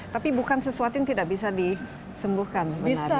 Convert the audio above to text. tapi bukan sesuatu yang tidak bisa disembuhkan sebenarnya